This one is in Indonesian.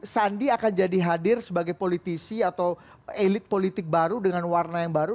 sandi akan jadi hadir sebagai politisi atau elit politik baru dengan warna yang baru